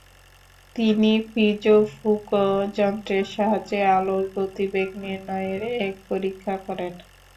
তিনি ফিজো-ফুকো যন্ত্রের সাহায্যে আলোর গতিবেগ নির্ণয়ের এক পরীক্ষা করেন।